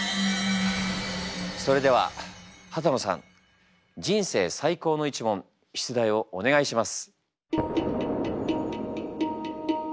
それでは幡野さん人生最高の一問出題をお願いします。